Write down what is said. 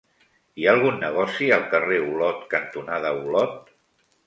Hi ha algun negoci al carrer Olot cantonada Olot?